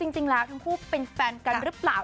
จริงแล้วทั้งคู่เป็นแฟนกันหรือเปล่า